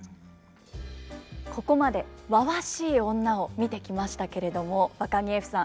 ここまでわわしい女を見てきましたけれどもわかぎゑふさん